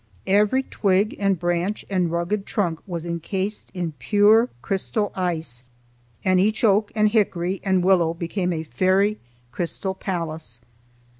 Every twig and branch and rugged trunk was encased in pure crystal ice, and each oak and hickory and willow became a fairy crystal palace.